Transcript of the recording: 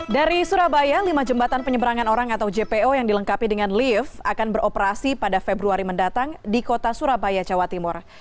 dari surabaya lima jembatan penyeberangan orang atau jpo yang dilengkapi dengan lift akan beroperasi pada februari mendatang di kota surabaya jawa timur